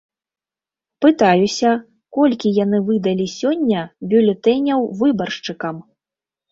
Пытаюся, колькі яны выдалі сёння бюлетэняў выбаршчыкам.